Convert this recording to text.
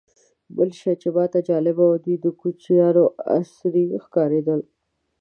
بل شی چې ماته جالبه و، د دوی کوچیان عصري ښکارېدل.